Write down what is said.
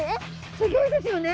すギョいですよね。